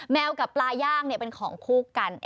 กับปลาย่างเป็นของคู่กัน